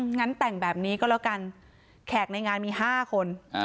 งั้นแต่งแบบนี้ก็แล้วกันแขกในงานมี๕คน